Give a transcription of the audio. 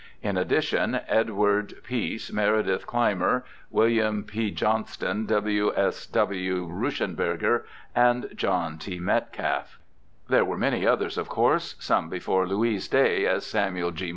In addition, Edward Peace, Meredith Clymer, William P. Johnston, W. S. W. Ruschenberger, and John T. Metcalfe.' There were many others, of course — some before Louis' day, as Samuel G.